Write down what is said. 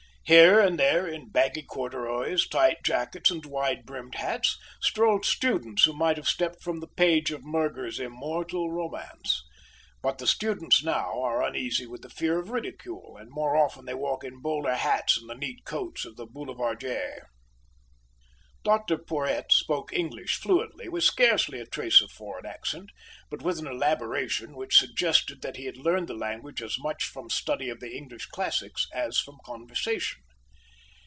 Here and there, in baggy corduroys, tight jackets, and wide brimmed hats, strolled students who might have stepped from the page of Murger's immortal romance. But the students now are uneasy with the fear of ridicule, and more often they walk in bowler hats and the neat coats of the boulevardier. Dr Porhoët spoke English fluently, with scarcely a trace of foreign accent, but with an elaboration which suggested that he had learned the language as much from study of the English classics as from conversation.